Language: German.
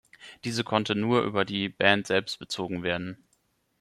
Diese konnte nur über die Band selbst bezogen werden.